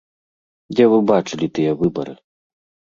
Дзе вы бачылі тыя выбары?